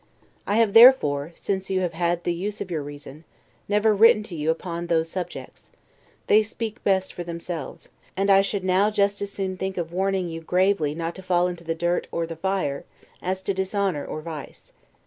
I have therefore, since you have had the use of your reason, never written to you upon those subjects: they speak best for themselves; and I should now just as soon think of warning you gravely not to fall into the dirt or the fire, as into dishonor or vice.